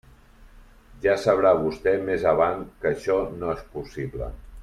Ja sabrà vostè més avant que això no és possible.